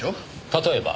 例えば？